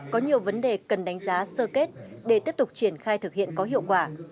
có nhiều vấn đề cần đánh giá sơ kết để tiếp tục triển khai thực hiện có hiệu quả